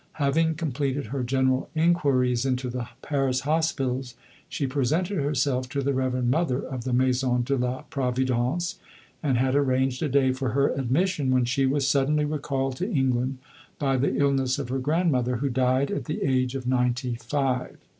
Having completed her general inquiries into the Paris hospitals, she presented herself to the Reverend Mother of the Maison de la Providence, and had arranged a day for her admission, when she was suddenly recalled to England by the illness of her grandmother, who died at the age of ninety five.